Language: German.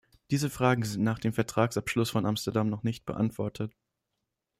Diese Fragen sind nach dem Vertragsabschluss von Amsterdam noch nicht beantwortet.